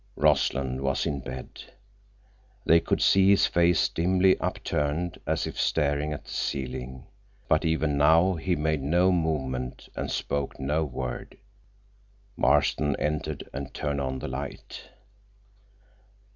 Rossland was in bed. They could see his face dimly, upturned, as if staring at the ceiling. But even now he made no movement and spoke no word. Marston entered and turned on the light.